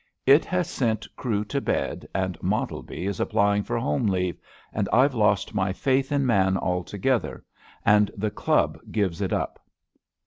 It has sent Crewe to bed, and Mottleby is applying for home leave, and IVe lost my faith in man altogether, and tho Club gives it up.